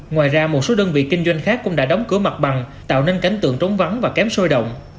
ngoài ra một số đơn vị kinh doanh khác cũng đã đóng cửa mặt bằng tạo nên cảnh tượng trống vắng và kém sôi động